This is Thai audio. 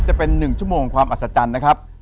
จะเป็น๑ชั่วโมงความอัศจรรย์นะครับ